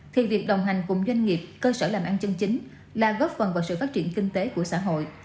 thì việc đồng hành cùng doanh nghiệp cơ sở làm ăn chân chính là góp phần vào sự phát triển kinh tế của xã hội